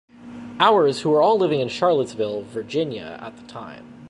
Ours who were all living in Charlottesville, Virginia at the time.